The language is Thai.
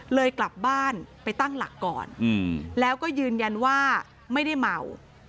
เลยกลับบ้านไปตั้งหลักก่อนแล้วก็ยืนยันว่าไม่ได้เมา